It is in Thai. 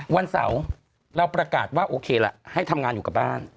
วันเสาร์เราประกาศว่าโอเคละให้ทำงานอยู่กับบ้าน